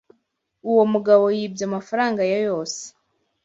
Uwo mugabo yibye amafaranga ye yose.